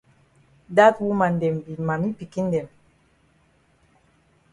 Dat woman dem be mami pikin dem.